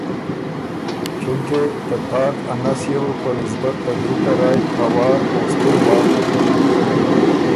چونکې ته تاک ا نس يې بو په نسبت ته ګری ته رایٛ هوار او ستُر بَۀ،